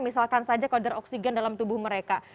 misalkan saja kalau ada oksigen dalam tubuh mereka